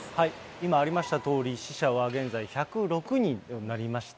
今ありましたとおり、死者は現在１０６人となりました。